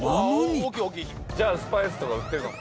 じゃあ、スパイスとか売ってるかも。